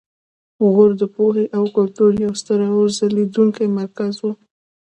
غور د پوهې او کلتور یو ستر او ځلیدونکی مرکز و